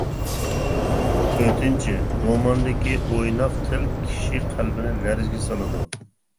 تۆتىنچى، روماندىكى ئويناق تىل كىشى قەلبىنى لەرزىگە سالىدۇ.